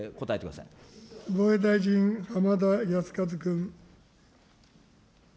防衛大臣、浜田靖一君。